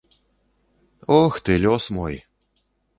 Ох, ты лёс мой!